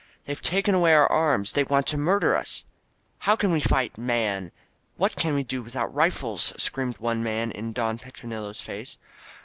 They've taken away our arms ! They want to murder us !" "How can we fight, man? What can we do without rifles?" screamed one man in Don Petronilo's face.